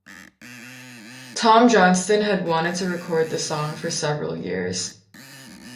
Tom Johnston had wanted to record the song for several years.